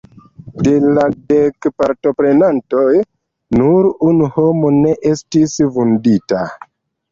De la dek partoprenantoj, nur unu homo ne estis vundita.